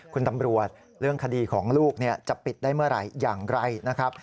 คุณตำรวจเรื่องคดีของลูกจะปิดได้เมื่อไหร่อย่างไรนะครับ